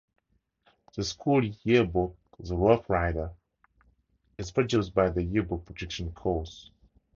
The school yearbook, the "Rough Rider", is produced by the yearbook production course.